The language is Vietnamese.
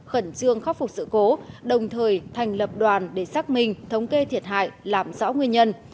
khẩn trương khắc phục sự cố đồng thời thành lập đoàn để xác minh thống kê thiệt hại làm rõ nguyên nhân